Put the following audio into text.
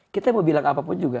kita mau bilang apapun juga